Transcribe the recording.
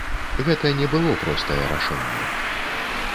Гэта не было простае рашэнне.